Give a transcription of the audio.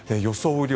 雨量